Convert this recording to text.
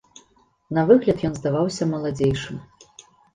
На выгляд ён здаваўся маладзейшым.